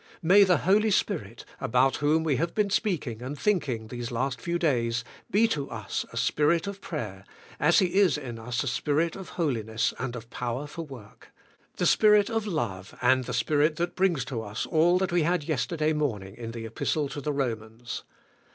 May the Holy Spirit, about whom we have been speaking and thinking these last few days, be to us a Spirit of prayer, as He is in us a Spirit of holiness and of power for work; the Spirit of love, and the Spirit that brings to us all that we had yes terday morning in the Kpistle to the Romans.